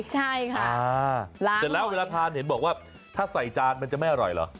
ใช่ค่ะเสร็จแล้วเวลาทานเห็นบอกว่าถ้าใส่จานมันจะไม่อร่อยเหรอ